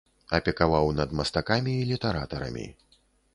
Апекаваў над мастакамі і літаратарамі.